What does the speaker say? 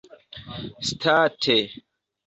state